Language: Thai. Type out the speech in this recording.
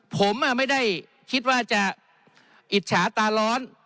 ผมไม่ได้คิดว่าจะอิจฉาตาร้อน